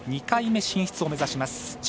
２回目進出を目指します。